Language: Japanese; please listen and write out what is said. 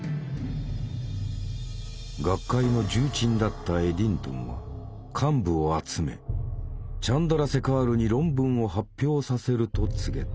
学会の重鎮だったエディントンは幹部を集めチャンドラセカールに論文を発表させると告げた。